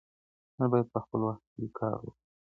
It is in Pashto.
موږ بايد په خپل وخت کار وکړو.